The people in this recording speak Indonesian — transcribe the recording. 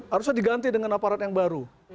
harusnya diganti dengan aparat yang baru